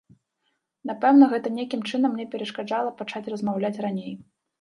Напэўна, гэта нейкім чынам мне перашкаджала пачаць размаўляць раней.